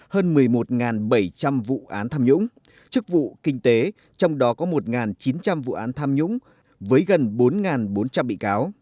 hơn một mươi một bảy trăm linh vụ án tham nhũng chức vụ kinh tế trong đó có một chín trăm linh vụ án tham nhũng với gần bốn bốn trăm linh bị cáo